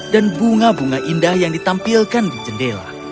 dan bunga bunga indah yang ditampilkan di jendela